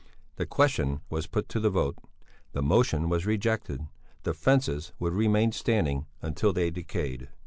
The question was put to the vote. The motion was rejected; the fences would remain standing until they decayed.